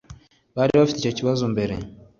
Bari bafite icyo kibazo mbere.